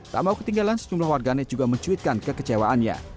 tak mau ketinggalan sejumlah warganet juga mencuitkan kekecewaannya